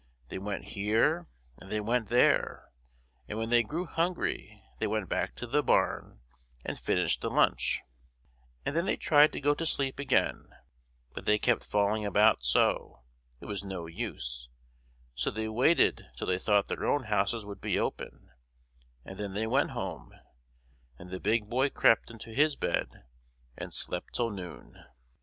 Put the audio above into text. They went here and they went there, and when they grew hungry they went back to the barn and finished the lunch; and then they tried to go to sleep again, but they kept falling about so, it was no use, so they waited till they thought their own houses would be open, and then they went home, and the Big Boy crept into his bed and slept till noon.